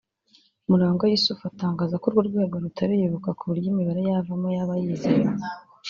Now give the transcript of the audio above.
Murangwa Yusuf atangaza ko urwo rwego rutariyubaka ku buryo imibare yavamo yaba yizewe